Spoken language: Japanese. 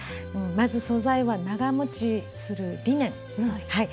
まず素材は長持ちする「リネン」。